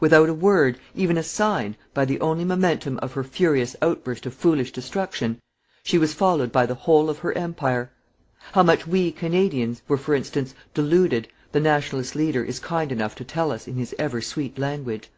Without a word, even a sign, by the only momentum of her furious outburst of foolish destruction, she was followed by the whole of her Empire. How much we, Canadians, were, for instance, deluded, the Nationalist leader is kind enough to tell us in his ever sweet language.